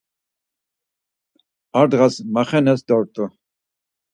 Ar dğas maxenes dort̆u.